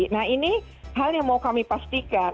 nah ini hal yang mau kami pastikan